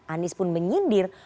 anies pun menyindir